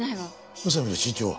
宇佐美の身長は？